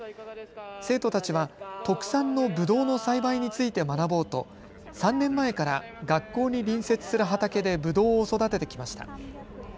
生徒たちは特産のぶどうの栽培について学ぼうと３年前から学校に隣接する畑でぶどうを育ててきました。